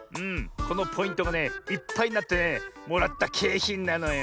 このポイントがねいっぱいになってねもらったけいひんなのよ。